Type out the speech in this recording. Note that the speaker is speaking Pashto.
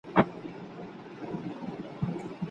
غوره فرصت یوازي تکړه کسانو ته نه سي برابرېدای.